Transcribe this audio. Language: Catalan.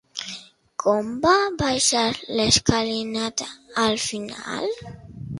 Com va baixar l'escalinata al final?